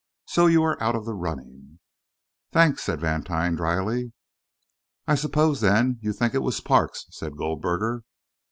So you are out of the running." "Thanks," said Vantine, drily. "I suppose, then, you think it was Parks," said Goldberger.